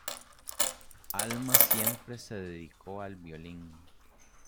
Alma siempre se dedicó al violín.